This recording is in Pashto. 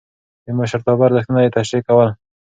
د مشرتابه ارزښتونه يې تشريح کول.